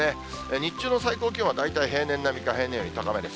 日中の最高気温は大体平年並みが平年より高めです。